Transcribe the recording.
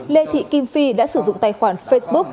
lê thị kim phi đã sử dụng tài khoản facebook